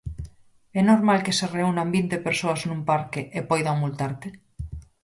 É normal que se reúnan vinte persoas nun parque e poidan multarte?